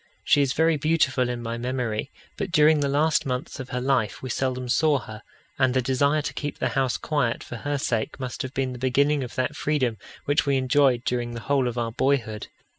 She is very beautiful in my memory, but during the last months of her life we seldom saw her, and the desire to keep the house quiet for her sake must have been the beginning of that freedom which we enjoyed during the whole of our boyhood.